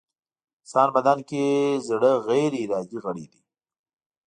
انسان بدن کې زړه غيري ارادې غړی دی.